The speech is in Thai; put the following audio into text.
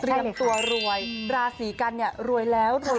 เตรียมตัวรวยราศีกันเนี่ยรวยแล้ว